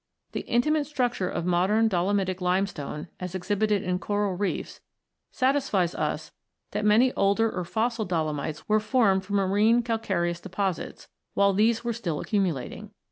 The intimate structure of modern dolomitic lime stone, as exhibited in coral reefs, satisfies us that many older or fossil dolomites were formed from marine calcareous deposits while these were still accumulating.